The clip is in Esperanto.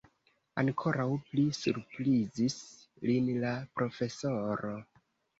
Ankoraŭ pli surprizis lin la profesoro.